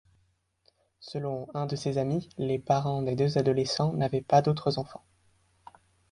Selon, un de ces amis les parents de deux adolescents n'avaient pas d'autres enfants.